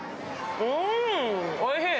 うーん、おいしい。